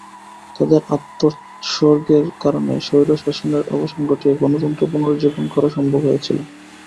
তাঁদের আত্মোৎসর্গের কারণে স্বৈরশাসনের অবসান ঘটিয়ে গণতন্ত্র পুনরুজ্জীবন করা সম্ভব হয়েছিল।